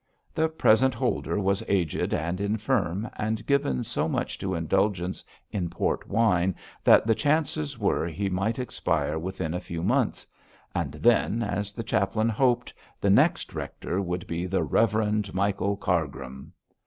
The present holder was aged and infirm, and given so much to indulgence in port wine, that the chances were he might expire within a few months, and then, as the chaplain hoped, the next rector would be the Reverend Michael Cargrim.